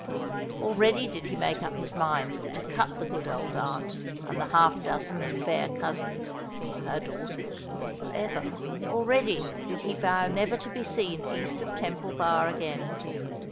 Already did he make up his mind to cut the good old aunt and the half dozen of fair cousins—her daughters—for ever:—already did he vow never to be seen east of Temple Bar again.